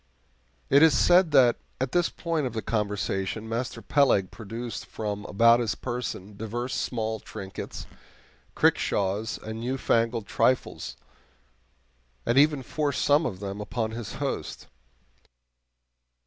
It is said that at this point of the conversation Master Peleg produced from about his person divers small trinkets, kickshaws, and newfangled trifles, and even forced some of them upon his host.